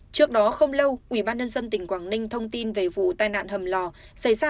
trước đó không lâu ubnd tỉnh quảng ninh thông tin về vụ tai nạn hầm lò xảy ra